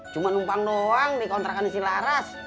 cuma numpang doang dikontrakan di silaras